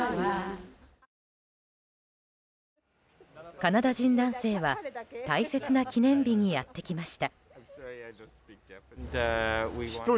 カナダ人男性は大切な記念日にやってきました。